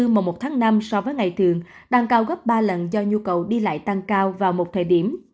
mùa một tháng năm so với ngày thường đang cao gấp ba lần do nhu cầu đi lại tăng cao vào một thời điểm